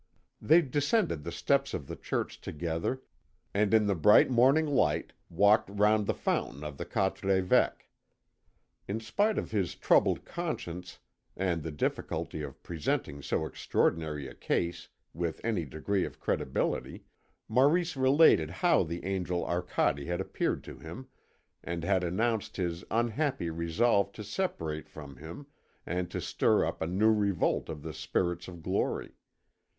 They descended the steps of the church together and in the bright morning light walked round the fountain of the Quatre Évêques. In spite of his troubled conscience and the difficulty of presenting so extraordinary a case with any degree of credibility, Maurice related how the angel Arcade had appeared to him and had announced his unhappy resolve to separate from him and to stir up a new revolt of the spirits of glory.